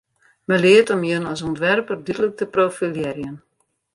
Men leart om jin as ûntwerper dúdlik te profilearjen.